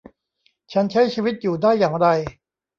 ฉันใช้ชีวิตอยู่ได้อย่างไร